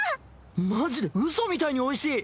マジでうそみたいにおいしい。